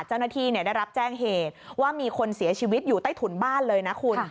เจ้าหน้าที่ได้รับแจ้งเหตุว่ามีคนเสียชีวิตอยู่ใต้ถุนบ้านเลยนะคุณ